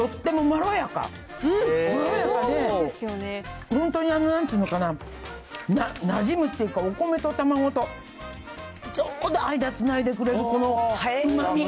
まろやかで、本当になんていうのかな、なじむっていうか、お米と卵とちょうど間つないでくれる、このうまみ。